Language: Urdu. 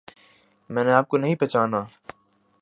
میں نے آپ کو نہیں پہچانا